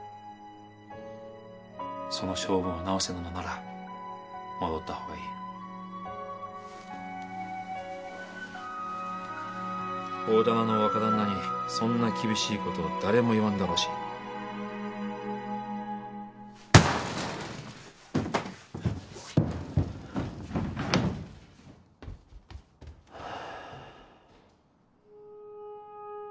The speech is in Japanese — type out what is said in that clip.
その性分を直せぬのなら戻ったほうがいい大店の若旦那にそんな厳しいことを誰も言わんだろうしはあ